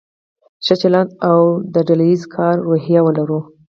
ښه چلند او د ډله ایز کار روحیه ولرو.